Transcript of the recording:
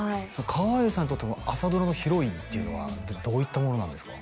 川栄さんにとって朝ドラのヒロインっていうのはどういったものなんですか？